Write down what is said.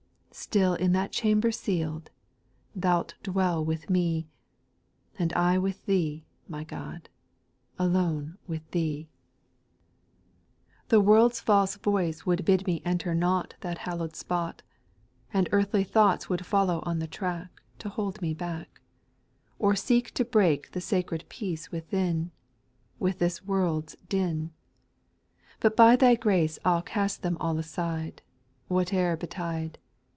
Still in that chamber seal'd. Thou 'It dwell with me, And I with Thee, my God, alone with Thea, 428 SPIRITUAL SONGS, 3. The world's false voice would bid me enter not That hallow'd spot ; And earthly thoughts would follow on the track, To hold me back, Or seek to break the sacred peace within, With this world's din. But by Thy grace, I '11 cast them all aside, Whate 'er betide.